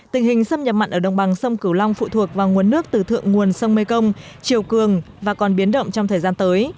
tình hình xâm nhập mặn ở đồng bằng sông cửu long phụ thuộc vào nguồn nước từ thượng nguồn sông mê công triều cường và còn biến động trong thời gian tới